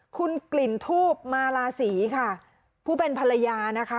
คุณกลิ่นทูบมาลาศรีค่ะผู้เป็นภรรยานะคะ